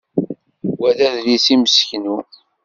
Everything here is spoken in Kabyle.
Wa d adlis imseknu.